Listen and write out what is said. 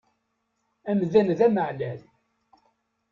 Amdan d ameεlal.